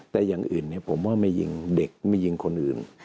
แต่อย่างอื่นผมว่าไม่ยิงเด็กไม่ยิงคนอื่น